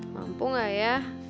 mampu enggak ya